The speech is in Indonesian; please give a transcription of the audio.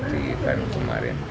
yang diperhentikan kemarin